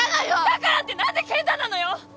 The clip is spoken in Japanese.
だからって何で健太なのよ！